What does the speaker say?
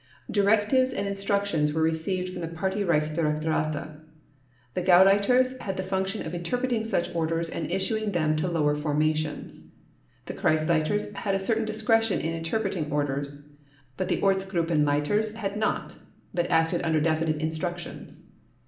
Directives and instructions were received from the Party Reich Directorate. The Gauleiters had the function of interpreting such orders and issuing them to lower formations. The Kreisleiters had a certain discretion in interpreting orders, but the Ortsgruppenleiters had not, but acted under definite instructions.